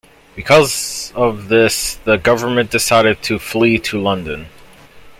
Because of this the government decided to flee to London.